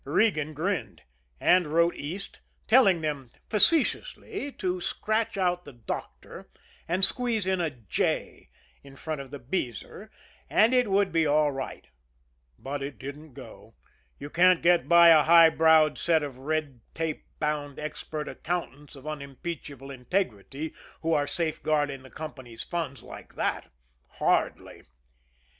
Regan grinned, and wrote East, telling them facetiously to scratch out the "Doctor" and squeeze in a "J" in front of the "Beezer" and it would be all right; but it didn't go you can't get by a high browed set of red tape bound expert accountants of unimpeachable integrity, who are safeguarding the company's funds like that. Hardly!